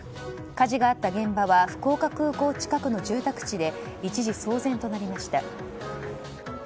火事があった現場は福岡空港近くの住宅地で一時騒然となりました。